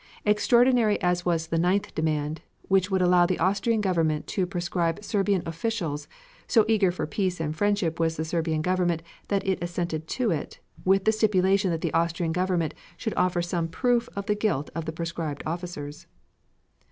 Extraordinary as was the ninth demand, which would allow the Austrian Government to proscribe Serbian officials, so eager for peace and friendship was the Serbian Government that it assented to it, with the stipulation that the Austrian Government should offer some proof of the guilt of the proscribed officers.